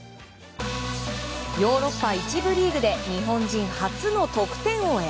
ヨーロッパ１部リーグで日本人初の得点王へ。